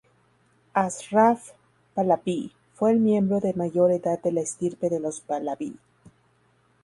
Ashraf Pahlaví fue el miembro de mayor edad de la estirpe de los Pahlaví.